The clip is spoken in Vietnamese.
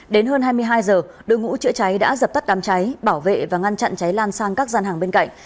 đến hơn hai mươi hai giờ đội ngũ chữa cháy đã dập tắt đám cháy bảo vệ và ngăn chặn cháy lan sang các gian hàng bên cạnh